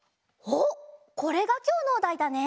おっこれがきょうのおだいだね？